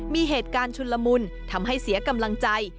มีเหตุการณ์ชุนละมุนทำให้เสียกำลังใจ